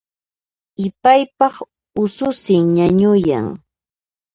Ipaypaq ususin ñañuyan